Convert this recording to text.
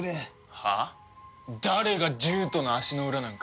誰が獣人の足の裏なんか。